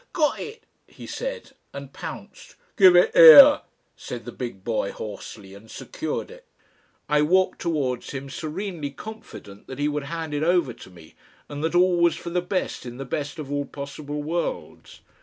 "GOT it," he said, and pounced. "Give it 'ere," said the big boy hoarsely, and secured it. I walked towards him serenely confident that he would hand it over to me, and that all was for the best in the best of all possible worlds.